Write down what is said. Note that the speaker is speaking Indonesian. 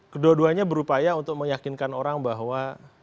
kedua duanya berupaya untuk meyakinkan orang bahwa